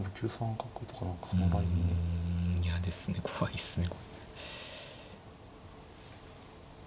うん嫌ですね怖いっすね。